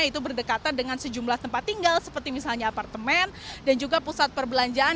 yaitu berdekatan dengan sejumlah tempat tinggal seperti misalnya apartemen dan juga pusat perbelanjaan